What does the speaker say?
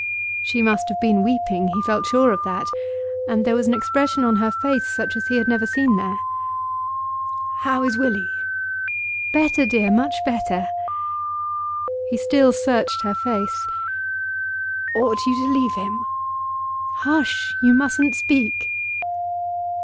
She must have been weeping, he felt sure of that, and there was an expression on her face such as he had never seen there. 'How is Willie?' 'Better, dear; much better.' He still searched her face. 'Ought you to leave him?' 'Hush! You mustn't speak.